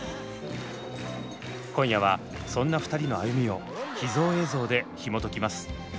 今夜はそんな２人の歩みを秘蔵映像でひもときます。